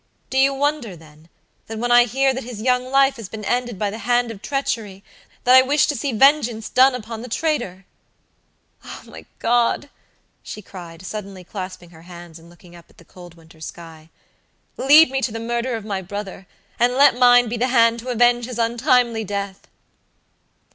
Do you wonder, then, that when I hear that his young life has been ended by the hand of treachery, that I wish to see vengeance done upon the traitor? Oh, my God," she cried, suddenly clasping her hands, and looking up at the cold winter sky, "lead me to the murderer of my brother, and let mine be the hand to avenge his untimely death."